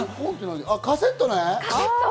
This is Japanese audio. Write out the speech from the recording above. カセットね。